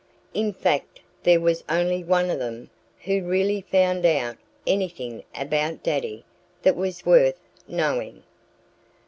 In fact there was only one of them who really found out anything about Daddy that was worth knowing.